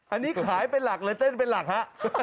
อันนี้ขายเป็นหลักเลยเต้นเป็นหลักฮะ